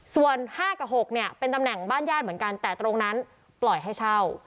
ส่วน๕กับ๖เนี่ยเป็นตำแหน่งบ้านญาติเหมือนกันแต่ตรงนั้นปล่อยให้เช่า